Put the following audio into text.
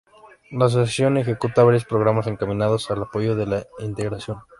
La Asociación ejecuta varios programas encaminados al apoyo de la Integración.